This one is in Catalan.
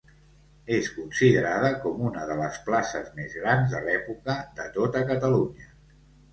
És considerada com una de les places més grans de l'època de tota Catalunya.